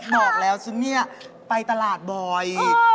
บอกแล้วฉันเนี่ยไปตลาดบ่อย